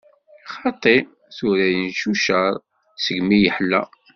Xaṭi, tura yencucer segmi yeḥla.